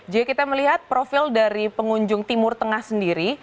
jadi kita melihat profil dari pengunjung timur tengah sendiri